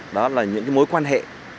đó là những cái mối quan hệ